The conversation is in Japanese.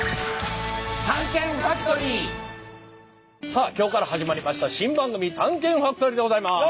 さあ今日から始まりました新番組「探検ファクトリー」でございます！